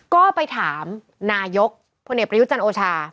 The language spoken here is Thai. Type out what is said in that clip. ก็ไปถามนายกพลเอกประยุจันทร์โอชา